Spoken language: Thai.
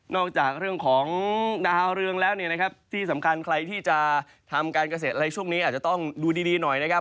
จากเรื่องของดาวเรืองแล้วเนี่ยนะครับที่สำคัญใครที่จะทำการเกษตรอะไรช่วงนี้อาจจะต้องดูดีหน่อยนะครับ